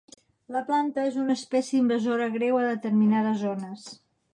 La planta és una espècie invasora greu a determinades zones.